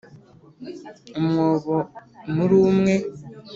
umwobo muri umwe.